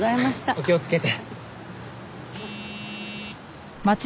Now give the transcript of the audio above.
お気をつけて。